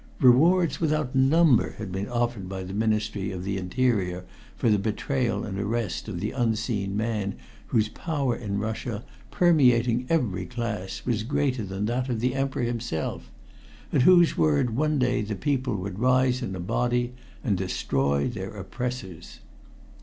Rewards without number had been offered by the Ministry of the Interior for the betrayal and arrest of the unseen man whose power in Russia, permeating every class, was greater than that of the Emperor himself at whose word one day the people would rise in a body and destroy their oppressors.